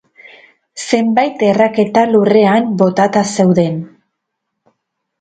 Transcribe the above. Zenbait erraketa lurrean botata zeuden.